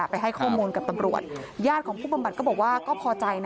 ไปให้ข้อมูลกับตำรวจญาติของผู้บำบัดก็บอกว่าก็พอใจนะ